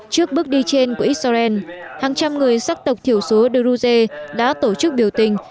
trước bước đi trên của israel hàng trăm người sắc tộc thiểu số druge đã tổ chức biểu tình